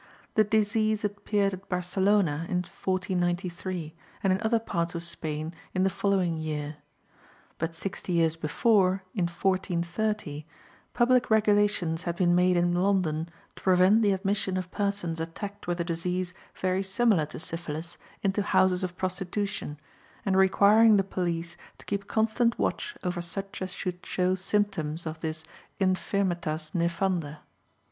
The disease appeared at Barcelona in 1493, and in other parts of Spain in the following year. But sixty years before, in 1430, public regulations had been made in London to prevent the admission of persons attacked with a disease very similar to syphilis into houses of prostitution, and requiring the police to keep constant watch over such as should show symptoms of this infirmitas nefanda.